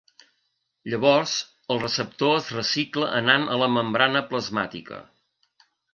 Llavors el receptor es recicla anant a la membrana plasmàtica.